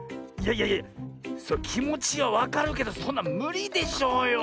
いやいやきもちはわかるけどそんなんむりでしょうよ。